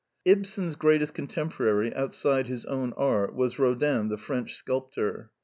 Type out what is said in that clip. Ibsen's greatest contemporary outside his own art was Rodin the French sculptor.